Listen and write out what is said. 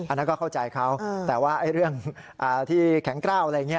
อันนั้นก็เข้าใจเขาแต่ว่าเรื่องที่แข็งกล้าวอะไรอย่างนี้